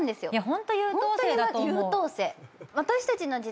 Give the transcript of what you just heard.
ホント優等生だと思う。